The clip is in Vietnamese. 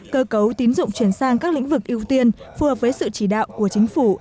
cơ cấu tín dụng chuyển sang các lĩnh vực ưu tiên phù hợp với sự chỉ đạo của chính phủ